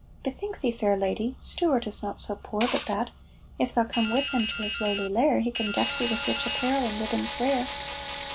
"Bethink thee, fair lady, Stuart is not so poor but that, if thou come with him to his lowly lair, he can deck thee with rich apparel and ribbons rare."